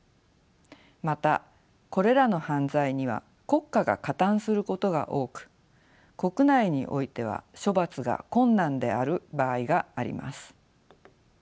またこれらの犯罪には国家が加担することが多く国内においては処罰が困難である場合があります。